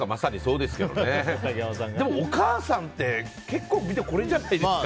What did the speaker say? だけどお母さんって結構これじゃないですか。